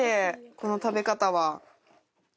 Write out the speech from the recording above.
この食べ方は。